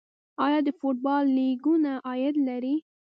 آیا د فوټبال لیګونه عاید لري؟